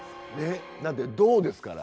だって道ですから。